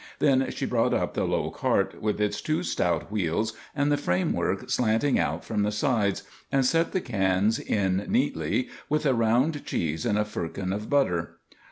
Then she brought up the low cart, with its two stout wheels and the framework slanting out from the sides, and set the cans in neatly with a round cheese and a firkin of butter.